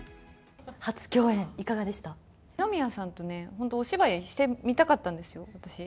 二宮さんとね、本当お芝居してみたかったんですよ、私。